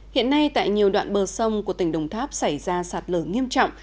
hiện nay tại nhiều đoạn bờ sông của tỉnh đồng tháp xảy ra sạt lở nghiêm trọng